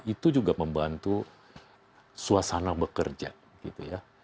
itu juga membantu suasana bekerja gitu ya